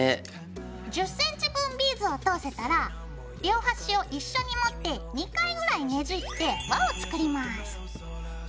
１０ｃｍ分ビーズを通せたら両端を一緒に持って２回ぐらいねじって輪を作ります。